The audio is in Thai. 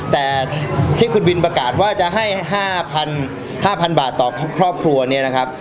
แต่ที่คุณบิลประกาศว่าจะให้ห้าพันห้าพันบาทต่อครอบครัวเนี้ยนะครับ